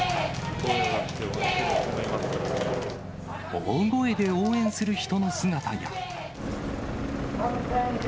大声で応援する人の姿や。